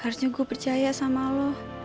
harusnya gue percaya sama lo